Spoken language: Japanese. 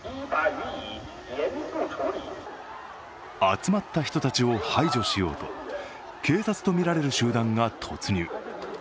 集まった人たちを排除しようと、警察とみられる集団が突入。